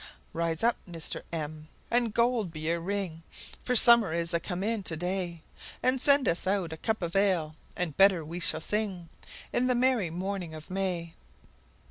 Rise up, Mr , and gold be your ring, For summer is a come in to day, And send us out a cup of ale, and better we shall sing, In the merry morning of May!